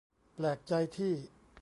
แปลกใจที่